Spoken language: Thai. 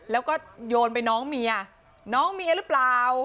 แล้วก็โยนไปน้องเมียน้องเมียหรือเปล่า